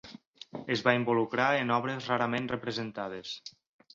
Es va involucrar en obres rarament representades.